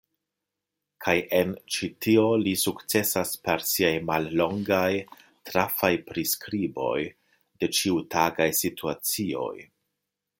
Kaj en ĉi tio li sukcesas per siaj mallongaj, trafaj priskriboj de ĉiutagaj situacioj.